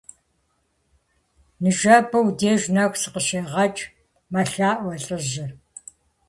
Ныжэбэ уи деж нэху сыкъыщегъэкӀ, - мэлъаӀуэ лӀыжьыр.